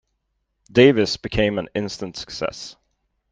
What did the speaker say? Davis became an instant success.